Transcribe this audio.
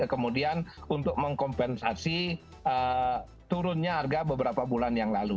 kemudian untuk mengkompensasi turunnya harga beberapa bulan yang lalu